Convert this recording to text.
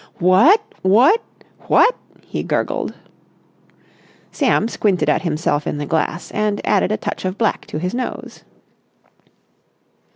"What ... what ... what...?" he gurgled. Sam squinted at himself in the glass and added a touch of black to his nose.